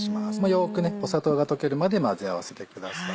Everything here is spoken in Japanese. よく砂糖が溶けるまで混ぜ合わせてください。